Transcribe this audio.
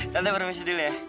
tante permisi dulu ya